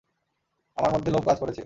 আমার মধ্যে লোভ কাজ করেছে।